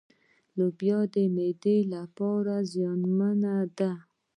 لوبيا معدې لپاره زيانمنې دي.